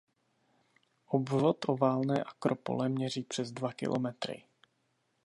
Obvod oválné akropole měří přes dva kilometry.